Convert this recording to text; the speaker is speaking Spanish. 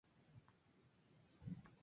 Se formó aglutinando varias escuelas.